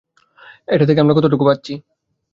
এটা থেকে আমরা কতটুকু পাচ্ছি?